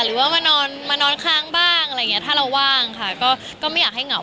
หรือว่ามานอนมานอนค้างบ้างอะไรอย่างเงี้ถ้าเราว่างค่ะก็ไม่อยากให้เหงา